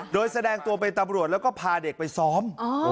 โดยแสดงตัวเป็นตำรวจแล้วก็พาเด็กไปซ้อม